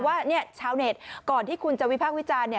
ว่าชาวเน็ตก่อนที่คุณจะวิพากษ์วิจารณ์